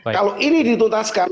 kalau ini dituntaskan